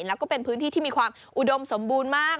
แล้วก็เป็นพื้นที่ที่มีความอุดมสมบูรณ์มาก